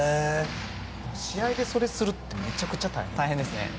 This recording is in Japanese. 試合でそれするってめちゃくちゃ大変ですね。